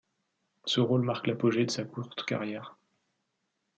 Ce rôle marque l'apogée de sa courte carrière.